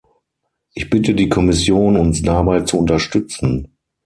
Ich bitte die Kommission, uns dabei zu unterstützen.